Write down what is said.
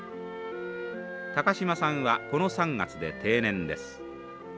タカシマさんはこの３月で定年です。